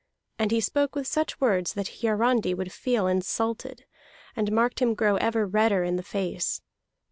And he spoke with such words that Hiarandi would feel insulted, and marked him grow ever redder in the face.